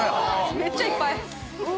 めっちゃいっぱい・おお！